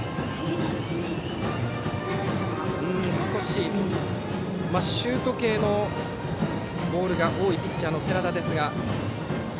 少しシュート系のボールが多いピッチャーの寺田ですが。